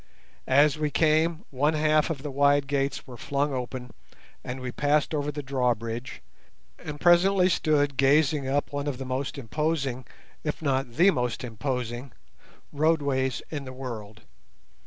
As we came, one half of the wide gates were flung open, and we passed over the drawbridge and presently stood gazing up one of the most imposing, if not the most imposing, roadways in the world.